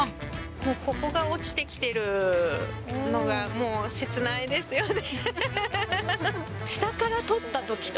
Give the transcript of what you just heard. もうここが落ちてきてるのが切ないですよね